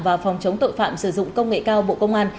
và phòng chống tội phạm sử dụng công nghệ cao bộ công an